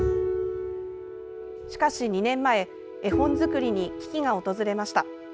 しかし２年前絵本作りに危機が訪れました。